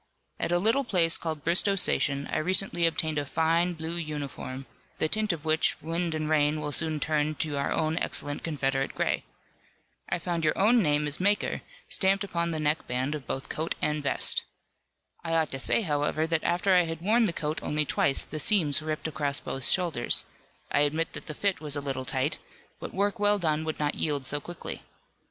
At a little place called Bristoe Station I recently obtained a fine, blue uniform, the tint of which wind and rain will soon turn to our own excellent Confederate gray. I found your own name as maker stamped upon the neck band of both coat and vest. "I ought to say however that after I had worn the coat only twice the seams ripped across both shoulders, I admit that the fit was a little tight, but work well done would not yield so quickly.